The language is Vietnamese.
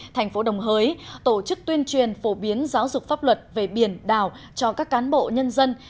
thành phố đồng hới tổ chức tuyên truyền phổ biến giáo dục pháp luật về biển đảo cho các cán bộ nhân dân